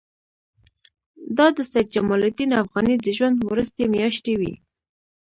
دا د سید جمال الدین افغاني د ژوند وروستۍ میاشتې وې.